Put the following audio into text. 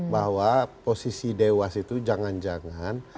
bahwa posisi dewas itu jangan jangan